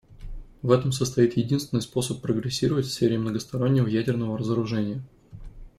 В этом состоит единственный способ прогрессировать в сфере многостороннего ядерного разоружения.